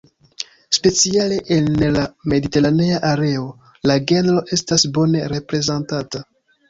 Speciale en la mediteranea areo la genro estas bone reprezentata.